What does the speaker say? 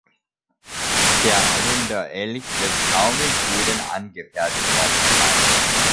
Der Alunda-Elch wird kaum in Schweden angefertigt worden sein.